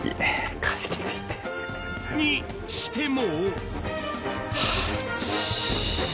にしても。